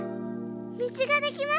道ができました。